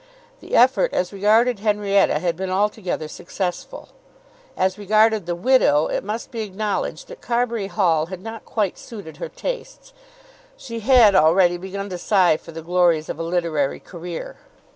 The effort as regarded Henrietta had been altogether successful. As regarded the widow, it must be acknowledged that Carbury Hall had not quite suited her tastes. She had already begun to sigh for the glories of a literary career.